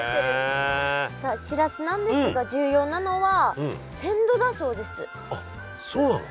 さあしらすなんですが重要なのはあっそうなの？